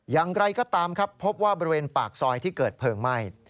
อย่างไรก็ตามครับพบว่าบริเวณปากซอยที่เกิดเพลิงไหม้